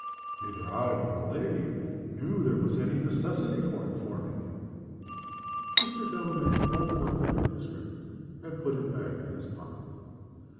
"Neither I nor the lady knew there was any necessity for informing him." Mr. Delamayn folded up the manuscript, and put it back in his pocket.